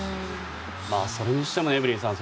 それにしてもエブリンさん